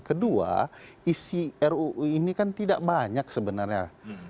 kedua isi ruu ini kan tidak banyak sebenarnya